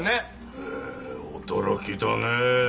へぇー驚きだねぇ。